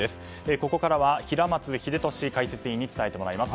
ここからは平松秀敏解説委員に伝えてもらいます。